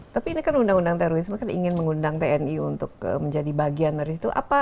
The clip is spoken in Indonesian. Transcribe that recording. tapi ini kan undang undang terorisme kan ingin mengundang tni untuk menjadi bagian dari itu